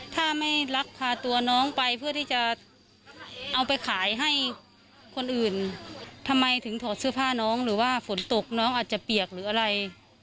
ถ้าไม่ลักพาตัวน้องไปเพื่อที่จะเอาไปขายให้คนอื่นทำไมถึงถอดเสื้อผ้าน้องหรือว่าฝนตกน้องอาจจะเปียกหรืออะไร